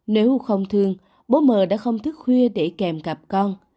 nếu không thương bố mờ đã không thức khuya để kèm cặp con